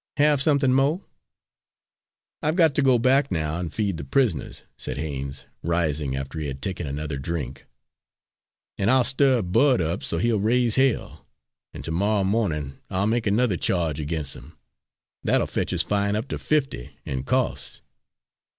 Have somethin' mo'?" "I've got to go back now and feed the pris'ners," said Haines, rising after he had taken another drink; "an' I'll stir Bud up so he'll raise h ll, an' to morrow morning I'll make another charge against him that'll fetch his fine up to fifty and costs."